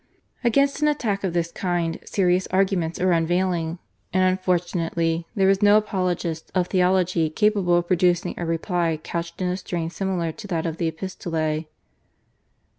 Against an attack of this kind serious arguments were unavailing, and, unfortunately, there was no apologist of theology capable of producing a reply couched in a strain similar to that of the /Epistolae